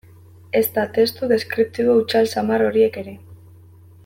Ezta testu deskriptibo hutsal samar horiek ere.